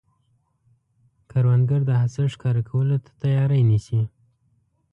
کروندګر د حاصل ښکاره کولو ته تیاری نیسي